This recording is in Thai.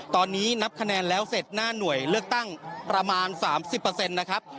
ตอนนี้นับคะแนนแล้วเสร็จหน้าหน่วยเลือกตั้งประมาณ๓๐นะครับ